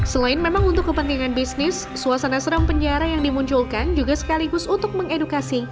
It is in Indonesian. selain memang untuk kepentingan bisnis suasana seram penjara yang dimunculkan juga sekaligus untuk mengedukasi